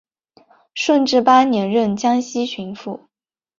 顺治八年任江西巡抚。